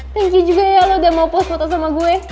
thank you juga ya lo udah mau post foto sama gue